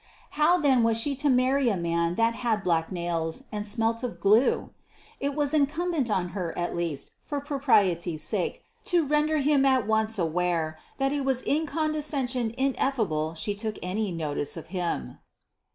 How then was she to marry a man that had black nails, and smelt of glue? It was incumbent on her at least, for propriety's sake, to render him at once aware that it was in condescension ineffable she took any notice of him.